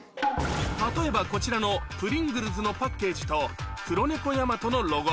例えばこちらのプリングルズのパッケージとクロネコヤマトのロゴ